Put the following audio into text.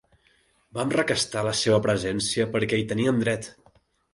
Vam requestar la seva presència perquè hi teníem dret.